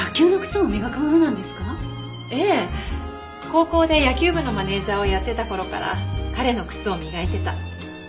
高校で野球部のマネジャーをやってた頃から彼の靴を磨いてた。